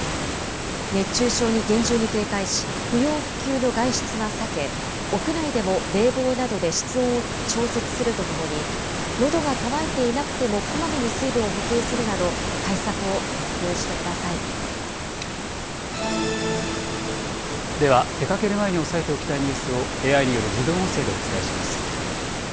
熱中症に厳重に警戒し、不要不急の外出は避け、屋内でも冷房などで室温を調節するとともに、のどが渇いていなくてもこまめに水分を補給するなど、対策を徹底では、出かける前に押さえておきたいニュースをＡＩによる自動音声でお伝えします。